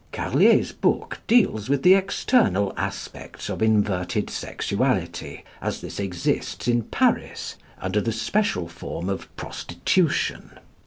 Carlier's book deals with the external aspects of inverted sexuality, as this exists in Paris under the special form of prostitution.